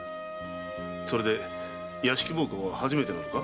それでおはつは屋敷奉公は初めてなのか？